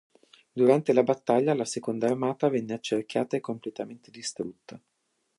Durante la battaglia, la Seconda Armata venne accerchiata e completamente distrutta.